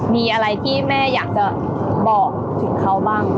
มีอะไรที่แม่อยากจะบอกถึงเขาบ้าง